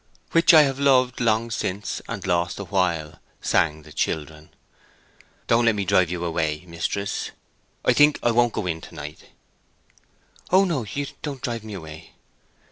Which I have loved long since, and lost awhile, sang the children. "Don't let me drive you away, mistress. I think I won't go in to night." "Oh no—you don't drive me away."